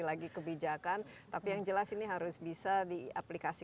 jadi sebanyak apa ini juga possibilities lah ya